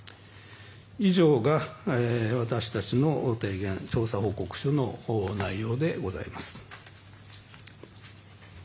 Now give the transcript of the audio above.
以上が私たちの提言調査報告書の内容でございます。